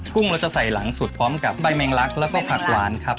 กุ้งเราจะใส่หลังสุดพร้อมกับใบแมงลักแล้วก็ผักหวานครับ